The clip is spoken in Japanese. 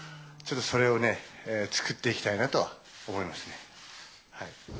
ちょっとそれをね、作っていきたいなと思いますね。